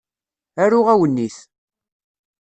Aru awennit.